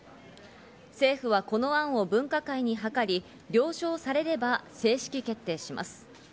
政府はこの案を分科会に諮り、了承されれば正式決定します。